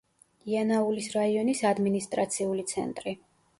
იანაულის რაიონის ადმინისტრაციული ცენტრი.